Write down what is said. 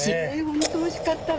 本当おいしかったわ。